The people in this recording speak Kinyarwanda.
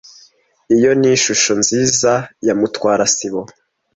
Iyo ni ishusho nziza ya Mutwara sibo.